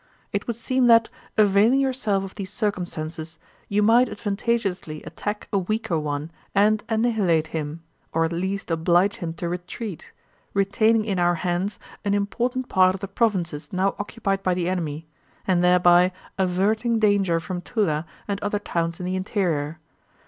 It would seem that, availing yourself of these circumstances, you might advantageously attack a weaker one and annihilate him, or at least oblige him to retreat, retaining in our hands an important part of the provinces now occupied by the enemy, and thereby averting danger from Túla and other towns in the interior.